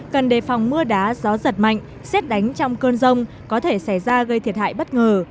cần đề phòng mưa đá gió giật mạnh xét đánh trong cơn rông có thể xảy ra gây thiệt hại bất ngờ